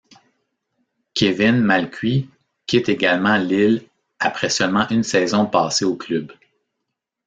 Kévin Malcuit quitte également Lille après seulement une saison passée au club.